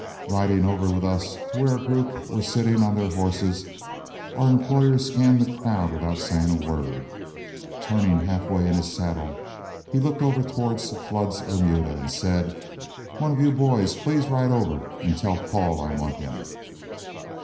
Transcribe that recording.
Riding over with us to where a group were sitting on their horses, our employer scanned the crowd without saying a word. Turning halfway in his saddle, he looked over towards Flood's remuda and said: "One of you boys please ride over and tell Paul I want him."